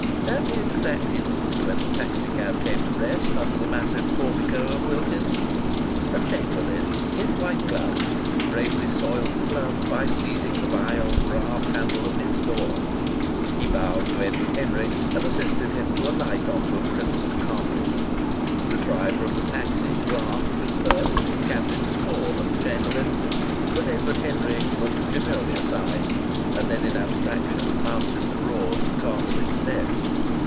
At the exact instant, when the taxi cab came to rest under the massive portico of Wilkins's, a chamberlain in white gloves bravely soiled the gloves by seizing the vile brass handle of its door. He bowed to Edward Henry and assisted him to alight on to a crimson carpet. The driver of the taxi glanced with pert and candid scorn at the chamberlain, but Edward Henry looked demurely aside, and then in abstraction mounted the broad carpeted steps.